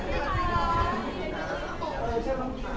สวัสดีค่ะ